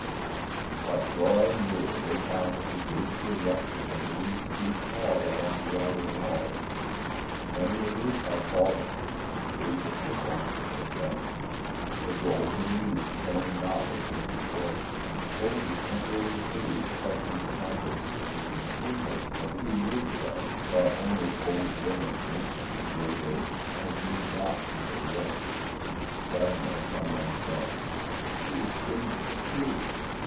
But drawing nearer they found that the gates were rusted and weeds grew tall along the outer walls, many a roof had fallen, gables were blackened and bent, and the golden eaves shone not as heretofore. And the soldiers entering the city expecting to find their sisters and sweethearts of a few years ago saw only old women wrinkled with great age and knew not who they were. Suddenly someone said: "He has been here too."